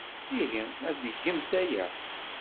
Ihi, ad tgemt aya?